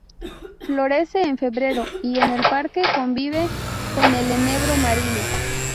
Florece en febrero y en el parque convive con el enebro marino.